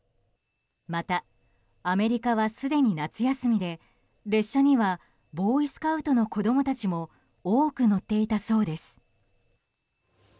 また、アメリカはすでに夏休みで列車にはボーイスカウトの子供たちも多く乗っていたそうです。